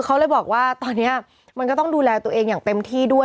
เขาเลยบอกว่าตอนนี้มันก็ต้องดูแลตัวเองอย่างเต็มที่ด้วย